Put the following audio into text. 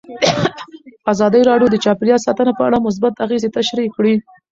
ازادي راډیو د چاپیریال ساتنه په اړه مثبت اغېزې تشریح کړي.